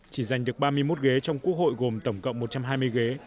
chỉ giành được ba mươi một ghế trong quốc hội gồm tổng cộng một trăm hai mươi ghế